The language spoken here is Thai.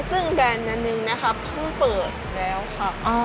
ซึ่งแบรนด์อันหนึ่งนะครับเพิ่งเปิดแล้วค่ะ